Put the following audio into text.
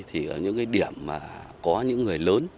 thì ở những điểm có những người lớn